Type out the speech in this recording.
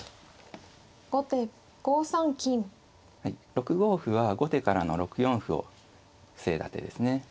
６五歩は後手からの６四歩を防いだ手ですね。